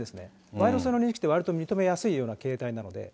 賄賂性の認識って、わりと認めやすいような形態なので。